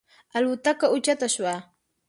الوتکه اوچته شوه.